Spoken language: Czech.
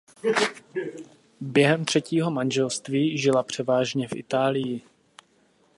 Během třetího manželství žila převážně v Itálii.